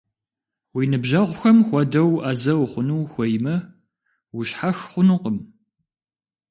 Уи ныбжьэгъухэм хуэдэу Ӏэзэ ухъуну ухуеймэ, ущхьэх хъунукъым.